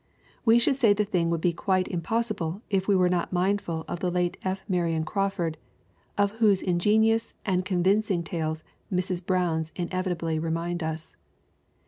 We should say the thing would be quite impossible were we not mindful of the late F. Marion Crawford, of whose ingenious and convincing tales Mrs. Brown's inevitably remind us.